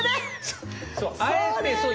そう。